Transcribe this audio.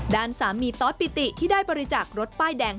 ด้านสามีต๊อตปิติที่ได้ประจักษ์รถป้ายแดง